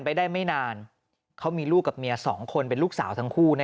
ไปได้ไม่นานเขามีลูกกับเมีย๒คนเป็นลูกสาวทั้งคู่